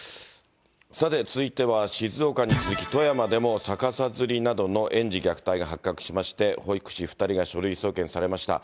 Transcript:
さて、続いては静岡に続き、富山でも逆さづりなどの園児虐待が発覚しまして、保育士２人が書類送検されました。